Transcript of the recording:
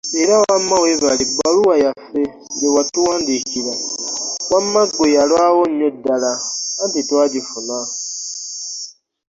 Era wamma weebale ebbaluwa yaffe gye watuwandiikira wamma ggwe yalwawo nnyo ddala anti twagifuna.